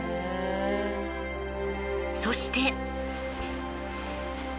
そして。